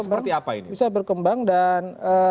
seperti apa ini bisa berkembang dan